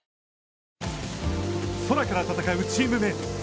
空から戦うチームメート